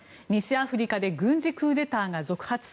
西アフリカで軍事クーデターが続発。